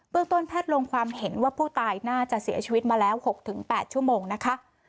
ต้นแพทย์ลงความเห็นว่าผู้ตายน่าจะเสียชีวิตมาแล้ว๖๘ชั่วโมงนะคะ